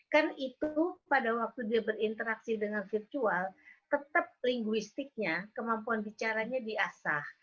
karena itu pada waktu dia berinteraksi dengan virtual tetap linguistiknya kemampuan bicaranya di asah